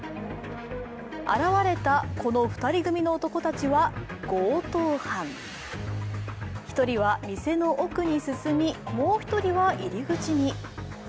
現れたこの２人組の男たちは強盗犯１人は店の奥に進み、もう１人は入り口に。